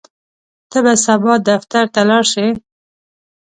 ته به سبا دفتر ته لاړ شې؟